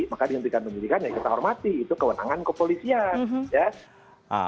maka dihentikan penyidikan ya kita hormati itu kewenangan kepolisian